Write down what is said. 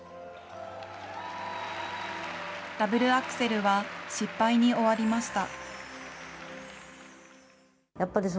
ダブルアクセルは失敗に終わりました。